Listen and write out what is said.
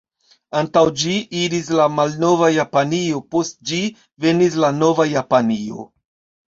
Antaŭ ĝi iris la malnova Japanio; post ĝi venis la nova Japanio.